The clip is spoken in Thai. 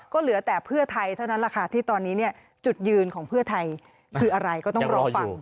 ก็เหลือแต่เพื่อไทยเท่านั้นแหละค่ะที่ตอนนี้เนี่ยจุดยืนของเพื่อไทยคืออะไรก็ต้องรอฟัง